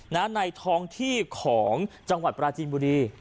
ในท้องที่ของจังหวัดปราจีนบุรี